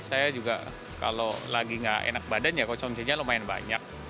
saya juga kalau lagi nggak enak badan ya konsumsinya lumayan banyak